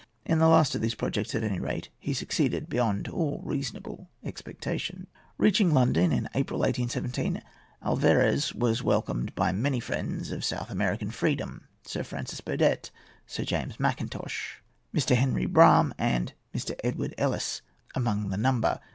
In the last of these projects, at any rate, he succeeded beyond all reasonable expectation. Beaching London in April, 1817, Alvarez was welcomed by many friends of South American freedom—Sir Francis Burdett, Sir James Mackintosh, Mr. Henry Brougham, and Mr. Edward Ellice among the number.